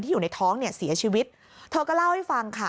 อยู่ในท้องเนี่ยเสียชีวิตเธอก็เล่าให้ฟังค่ะ